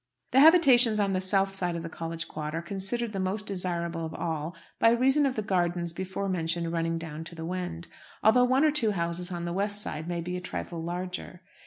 The habitations on the south side of College Quad are considered the most desirable of all, by reason of the gardens before mentioned running down to the Wend, although one or two houses on the west side may be a trifle larger.